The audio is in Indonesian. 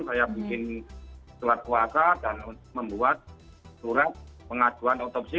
saya bikin surat kuasa dan membuat surat pengajuan otopsi